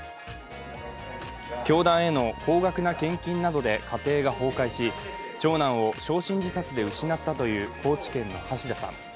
教団への高額な献金などで家庭が崩壊し長男を焼身自殺で失ったという高知県の橋田さん。